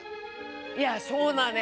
いやそうなのよ。